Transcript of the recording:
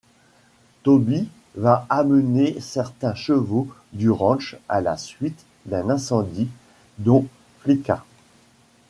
Toby va amener certains chevaux du ranch à la suite d'un incendie, dont Flicka.